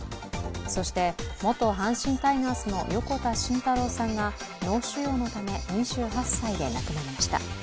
そして元阪神タイガースの横田慎太郎さんが脳腫瘍のため２８歳で亡くなりました。